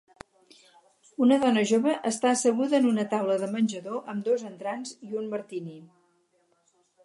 Una dona jove està asseguda en una taula de menjador amb dos entrants i un martini.